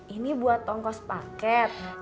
ini buat tongkos paket